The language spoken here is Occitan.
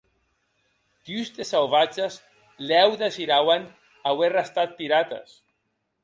Dus des sauvatges lèu desirauen auer restat pirates.